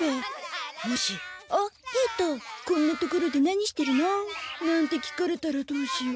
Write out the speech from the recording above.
もし「あっ平太こんな所で何してるの？」なんて聞かれたらどうしよう？